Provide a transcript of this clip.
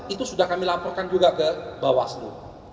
itu sudah kami laporkan juga ke bawaslu